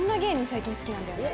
最近好きなんだよね。